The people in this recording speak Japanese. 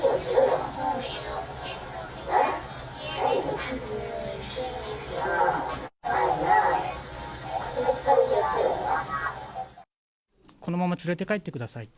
口のきき方、このまま連れて帰ってください。